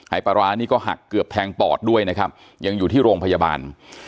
ปลาร้านี่ก็หักเกือบแทงปอดด้วยนะครับยังอยู่ที่โรงพยาบาล